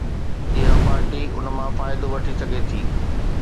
اها پارٽي ان مان فائدو وٺي سگهي ٿي